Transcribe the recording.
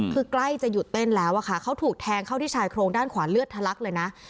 คือใกล้จะหยุดเต้นแล้วอะค่ะเขาถูกแทงเข้าที่ชายโครงด้านขวาเลือดทะลักเลยนะ